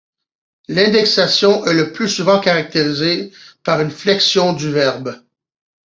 L'indexation est le plus souvent caractérisée par une flexion du verbe.